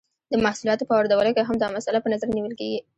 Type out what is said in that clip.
د محصولاتو په واردولو کې هم دا مسئله په نظر نیول کیږي.